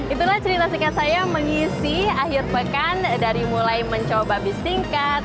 itulah cerita singkat saya mengisi akhir pekan dari mulai mencoba bis tingkat